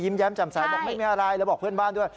แม้จำใสบอกไม่มีอะไรแล้วบอกเพื่อนบ้านด้วย